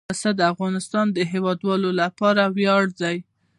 پسه د افغانستان د هیوادوالو لپاره ویاړ دی.